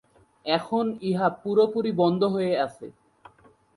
এখন ইহা পুরোপুরি বন্ধ হয়ে আছে।